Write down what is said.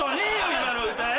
今の歌よ。